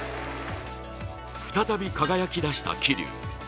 再び輝きだした桐生。